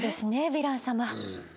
ヴィラン様。